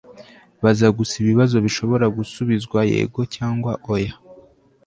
Baza gusa ibibazo bishobora gusubizwa yego cyangwa oya